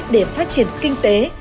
để phát triển kinh tế